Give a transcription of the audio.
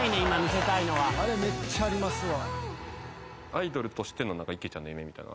あれめっちゃありますわ。